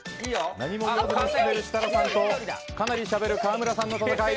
何も言わずに進める設楽さんとかなりしゃべる川村さんの戦い。